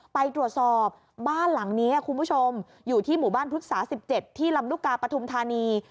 ไปตรวจสอบบ้านหลังนี้คุณผู้ชมอยู่ที่หมู่บ้านพฤกษา๑๗ที่ลำลูกกาปฐุมธานี